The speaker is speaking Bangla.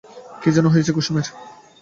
কী যেন হইয়াছে কুসুমের।